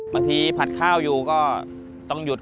มักทีผัดข้าวอยู่ก็